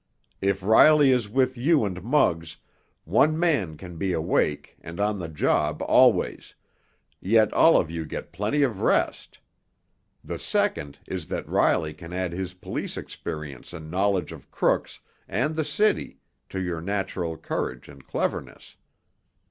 If Riley is with you and Muggs, one man can be awake and on the job always, yet all of you get plenty of rest. The second is that Riley can add his police experience and knowledge of crooks and the city to your natural courage and cleverness.